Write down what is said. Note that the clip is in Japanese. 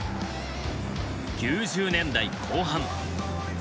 ９０年代後半。